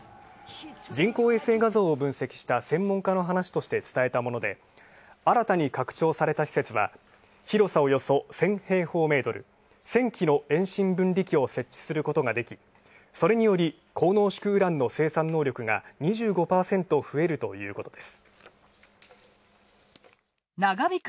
人工衛星画像を分析した専門家の話として伝えたもので新たに拡張された施設は広さおよそ１０００平方メートル１０００基の遠心分離機を設置することができそれにより、高濃縮ウランの生産能力が２５％増えるということです。